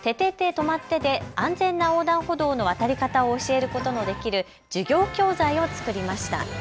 とまって！で安全な横断歩道の渡り方を教えることのできる授業教材を作りました。